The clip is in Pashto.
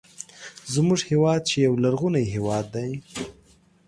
زموږ هیواد چې یو غرنی هیواد دی